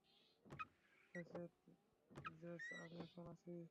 ঠিক আছে, জ্যাজ, আমি এখন আসি।